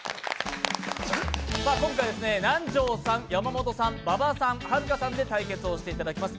今回は南條さん、山本さん、馬場さん、はるかさんで対決をしていただきます。